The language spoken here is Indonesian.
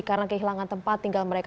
karena kehilangan tempat tinggal mereka